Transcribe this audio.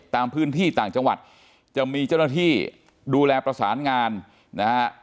ตามพื้นที่ต่างจังหวัดจะมีเจ้าหน้าที่ดูแลประสานงานนะฮะ